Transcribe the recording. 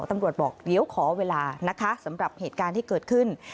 ตำรวจบอกเดี๋ยวขอเวลานะคะสำหรับเหตุการณ์ที่เกิดขึ้น